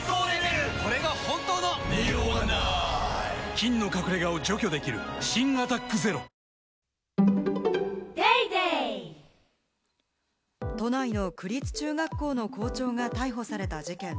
菌の隠れ家を除去できる新「アタックＺＥＲＯ」都内の区立中学校の校長が逮捕された事件。